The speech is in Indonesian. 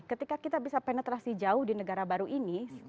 ketika kita bisa penetrasi jauh di negara baru ini